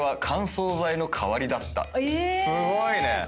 すごいね。